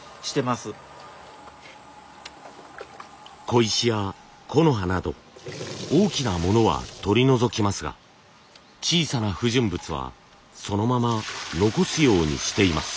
小石や木の葉など大きなものは取り除きますが小さな不純物はそのまま残すようにしています。